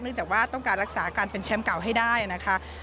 จากว่าต้องการรักษาการเป็นแชมป์เก่าให้ได้นะคะ